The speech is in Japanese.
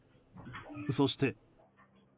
そして。